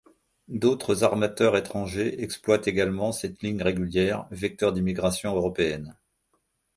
D'autres armateurs étrangers exploitent également cette ligne régulière, vecteur d'immigration européenne.